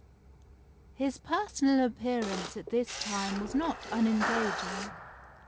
] "His personal appearance at this time was not unengaging.